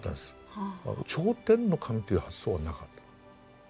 頂点の神という発想はなかった。